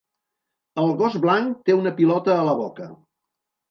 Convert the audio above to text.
El gos blanc té una pilota a la boca.